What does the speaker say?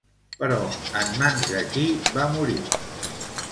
Però, en mans de qui va morir?